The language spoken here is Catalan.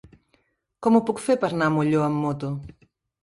Com ho puc fer per anar a Molló amb moto?